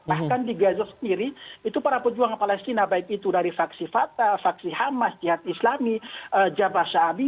bahkan di gaza sendiri itu para pejuang palestina baik itu dari faksi fata faksi hamas jihad islami jaba syabi